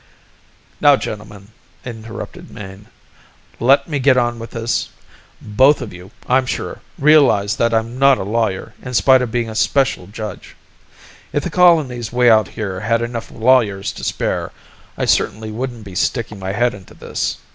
"Now, gentlemen!" interrupted Mayne. "Let me get on with this. Both of you, I'm sure, realize that I'm not a lawyer in spite of being a special judge. If the colonies way out here had enough lawyers to spare, I certainly wouldn't be sticking my head into this.